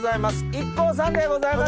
ＩＫＫＯさんでございます。